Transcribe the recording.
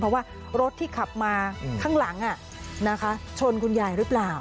เพราะว่ารถที่ขับมาข้างหลังชนคุณยายหรือเปล่า